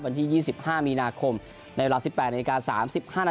วันที่๒๕มีนาคมในเวลา๑๘นน๓๕น